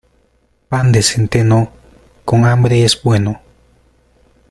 Pan de centeno, con hambre es bueno.